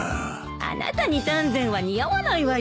あなたに丹前は似合わないわよ。